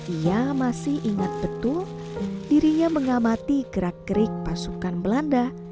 ia masih ingat betul dirinya mengamati gerak gerik pasukan belanda